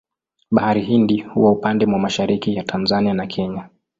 Bahari Hindi huwa upande mwa mashariki ya Tanzania na Kenya.